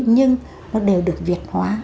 nhưng nó đều được việt hóa